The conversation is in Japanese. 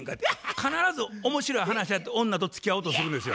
必ず面白い話やって女とつきあおうとするんですよ。